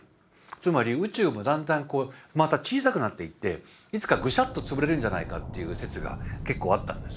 つまり宇宙もだんだんまた小さくなっていっていつかグシャッと潰れるんじゃないかっていう説が結構あったんです。